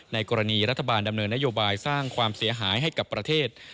กรณีรัฐบาลดำเนินนโยบายสร้างความเสียหายให้กับประเทศ